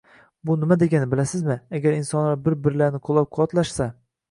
Bu nima degani, bilasizmi? Agar insonlar bir-birlarini qo‘llab-quvvatlashsa